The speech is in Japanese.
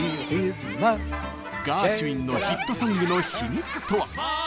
ガーシュウィンのヒットソングの秘密とは？